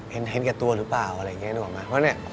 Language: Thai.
เห็นแค่ตัวหรือเปล่าไรงี้กว่านี้